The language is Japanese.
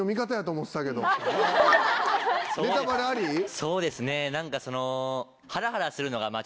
そうですね何か。